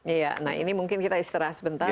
iya nah ini mungkin kita istirahat sebentar